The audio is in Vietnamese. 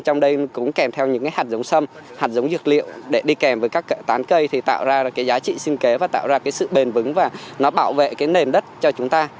trong đây cũng kèm theo những cái hạt giống sâm hạt giống dược liệu để đi kèm với các tán cây thì tạo ra được cái giá trị sinh kế và tạo ra cái sự bền vững và nó bảo vệ cái nền đất cho chúng ta